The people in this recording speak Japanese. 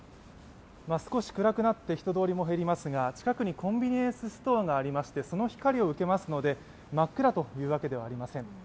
少し暗くなって人通りも減りますが近くにコンビニエンスストアがありましてその光を受けますので真っ暗というわけではありません。